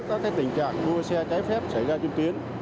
các tình trạng đua xe trái phép xảy ra trên tuyến